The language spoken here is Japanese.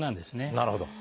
なるほど。